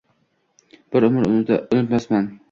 Bir umr unutmasman.